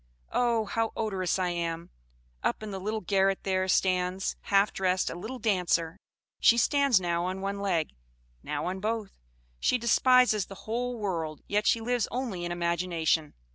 Oh, how odorous I am! Up in the little garret there stands, half dressed, a little Dancer. She stands now on one leg, now on both; she despises the whole world; yet she lives only in imagination.